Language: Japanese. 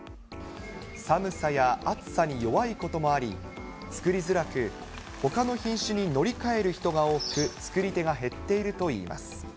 寒さや暑さに弱いこともあり、作りづらく、ほかの品種に乗り換える人が多く、作り手が減っているといいます。